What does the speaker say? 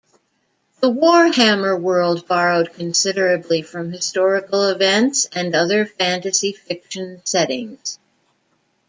The Warhammer World borrowed considerably from historical events and other fantasy fiction settings.